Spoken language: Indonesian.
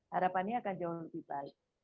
harapannya akan jauh lebih baik